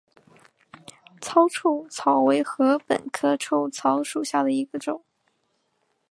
糙臭草为禾本科臭草属下的一个种。